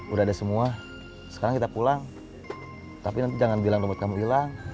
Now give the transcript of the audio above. udah ada semua sekarang kita pulang tapi nanti jangan bilang lumput kamu hilang